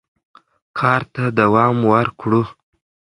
کار ته دوام ورکړو.